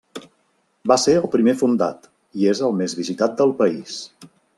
Va ser el primer fundat, i és el més visitat del país.